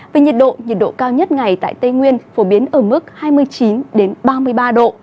về nhiệt độ nhiệt độ cao nhất ngày tại tây nguyên phổ biến ở mức hai mươi chín ba mươi ba độ